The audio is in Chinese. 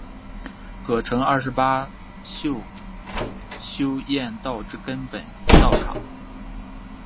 葛城二十八宿修验道之根本道场。